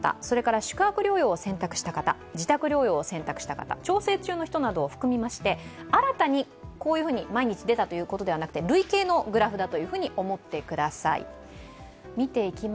宿泊療養を選択した方自宅療養を選択した方、調整中の人を含めまして新たに毎日出たということではなくて、累計のグラフだと思ってください。